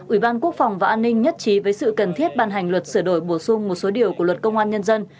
ủy ban quốc phòng và an ninh nhất trí với sự cần thiết bàn hành luật sửa đổi bổ sung một số điều của luật công an nhân dân